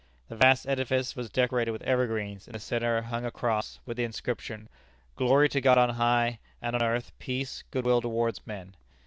The vast edifice was decorated with evergreens; in the centre hung a cross, with the inscription: "Glory to God on high; and on earth, peace, good will towards men."